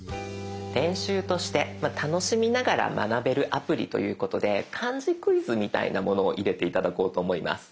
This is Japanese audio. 練習として楽しみながら学べるアプリということで漢字クイズみたいなものを入れて頂こうと思います。